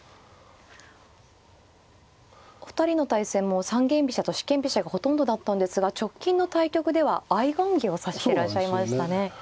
お二人の対戦も三間飛車と四間飛車がほとんどだったんですが直近の対局では相雁木を指していらっしゃいましたね。